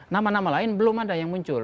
nama nama lain belum ada yang muncul